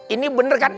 ini bener kan